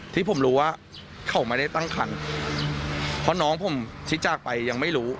ที่ผมรู้ว่าเขาไม่ได้ตั้งคันเพราะน้องผมที่จากไปยังไม่รู้